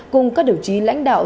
cùng các đồng chí lãnh đạo